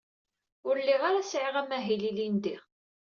Ur lliɣ ara sɛiɣ amahil ilindi.